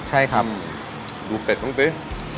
ใช่ครับดูเป็กตั้งสิ